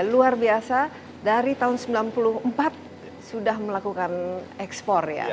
luar biasa dari tahun seribu sembilan ratus sembilan puluh empat sudah melakukan ekspor ya